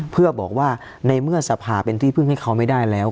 เพื่อบอกว่าในเมื่อสภาเป็นที่พึ่งให้เขาไม่ได้แล้ว